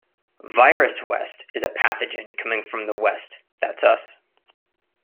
'Virus West' is a pathogen coming from the west-that's us.